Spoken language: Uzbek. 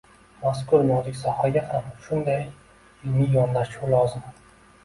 mazkur nozik sohaga ham shunday – ilmiy yondashuv lozim.